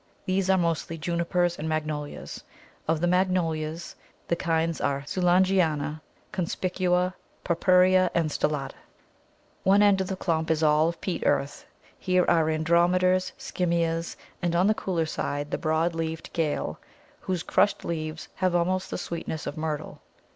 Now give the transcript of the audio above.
These are mostly Junipers and Magnolias; of the Magnolias, the kinds are Soulangeana, conspicua, purpurea, and stellata. One end of the clump is all of peat earth; here are Andromedas, Skimmeas, and on the cooler side the broad leaved Gale, whose crushed leaves have almost the sweetness of Myrtle.